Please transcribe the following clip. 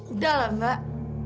udah lah mbak